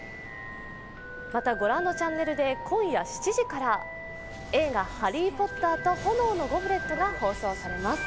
また、ご覧のチャンネルで今夜７時から映画「ハリー・ポッターと炎のゴブレット」が放送されます。